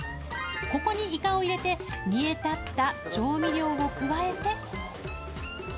ここにイカを入れて、煮え立った調味料を加えて。